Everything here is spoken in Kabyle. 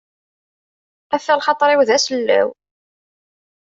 Ata lxaṭer-iw d asellaw.